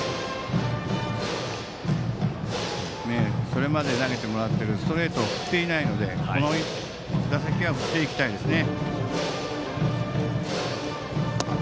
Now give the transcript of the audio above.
それまで投げてもらってるストレートを振っていないのでこの打席は振っていきたいですね。